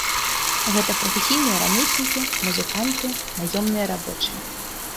Гэта прафесійныя рамеснікі, музыканты, наёмныя рабочыя.